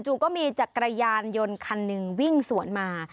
ก็มีจักรยานยนต์คันหนึ่งวิ่งสวนมา